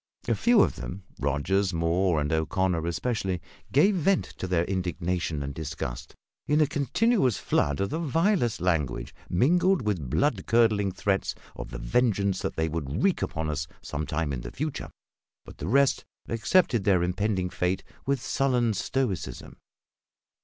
A few of them Rogers, Moore, and O'Connor especially gave vent to their indignation and disgust in a continuous flood of the vilest language, mingled with blood curdling threats of the vengeance that they would wreak upon us some time in the future; but the rest accepted their impending fate with sullen stoicism.